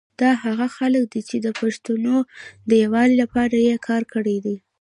دا هغه خلګ دي چي د پښتونو د یوالي لپاره یي کار کړي دی